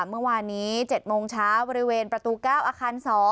เมื่อวานนี้๗โมงเช้าบริเวณประตู๙อาคาร๒